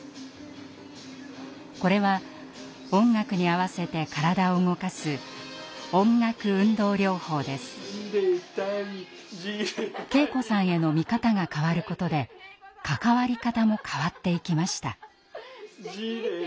これは音楽に合わせて体を動かす圭子さんへの見方が変わることで関わり方も変わっていきました。